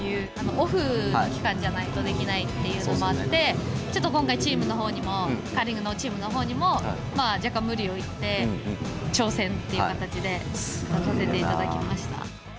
オフの期間じゃないとできないっていうのもあって、ちょっと今回、チームのほうにも、カーリングのチームのほうにも、まあ若干無理を言って、挑戦という形で、出させていただきました。